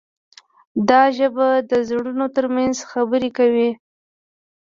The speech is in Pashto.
دا ژبه د زړونو ترمنځ خبرې کوي.